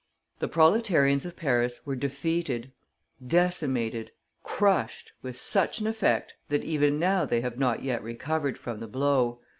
The proletarians of Paris were defeated, decimated, crushed with such an effect that even now they have not yet recovered from the blow.